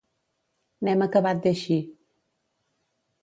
N'hem acabat d'eixir.